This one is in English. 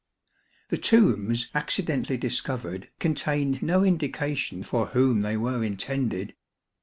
The tombs accidentally discovered contained no indication for whom they were intended.